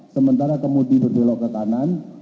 sementara kemudi berbelok ke kanan